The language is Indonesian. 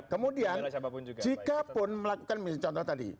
kemudian jikapun melakukan misalnya contoh tadi